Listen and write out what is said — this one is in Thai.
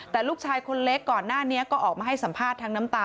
แต่ลูกชายคนเล็กก่อนหน้านี้ก็ออกมาให้สัมภาษณ์ทั้งน้ำตา